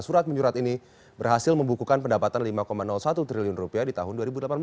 surat menyurat ini berhasil membukukan pendapatan lima satu triliun rupiah di tahun dua ribu delapan belas